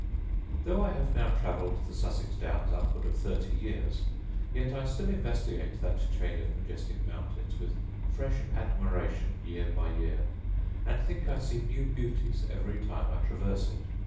Though I have now travelled the Sussex downs upwards of thirty years, yet I still investigate that chain of majestic mountains with fresh admiration year by year; and think I see new beauties every time I traverse it.